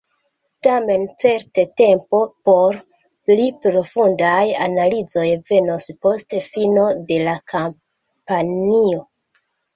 Tamen certe tempo por pli profundaj analizoj venos post fino de la kampanjo.